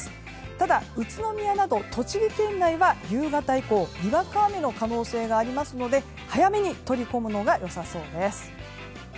ただ、宇都宮など栃木県内は夕方以降にわか雨の可能性がありますので早めに取り込むのが良さそうです。